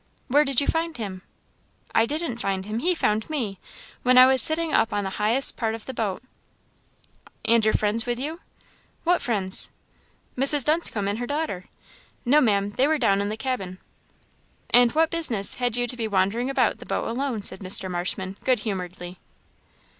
"Where did you find him?" "I didn't find him he found me, when I was sitting up on the highest part of the boat." "And your friends with you?" "What friends?" "Mrs. Dunscombe and her daughter." "No, Ma'am they were down in the cabin." "And what business had you to be wandering about the boat alone?" said Mr. Marshman, good humouredly.